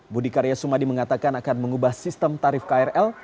budi karya sumadi mengatakan akan mengubah sistem tarif krl